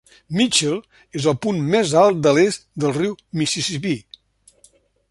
Mitchell és el punt més alt a l'est del riu Mississipí.